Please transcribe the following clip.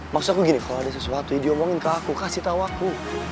maksud aku gini kalo ada sesuatu diomongin ke aku kasih tau aku